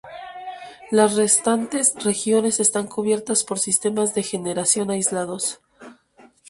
Las restantes regiones están cubiertas por sistemas de generación aislados.